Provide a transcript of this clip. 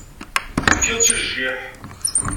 Tefkiḍ-tt i jjiḥ.